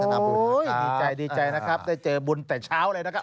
ดีใจดีใจนะครับได้เจอบุญแต่เช้าเลยนะครับ